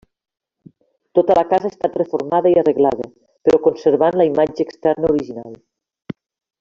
Tota la casa ha estat reformada i arreglada, però conservant la imatge externa original.